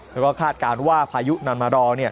แล้วก็คาดการณ์ว่าพายุนันมารอ